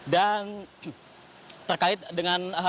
dan terkait dengan